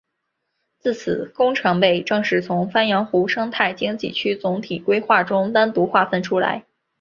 自此工程被正式从鄱阳湖生态经济区总体规划中单独划分出来。